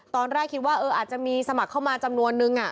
ตอนแรกคิดว่าอาจจะมีสมัครเข้ามาจำนวนนึง